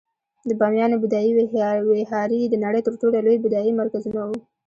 د بامیانو بودایي ویهارې د نړۍ تر ټولو لوی بودایي مرکزونه وو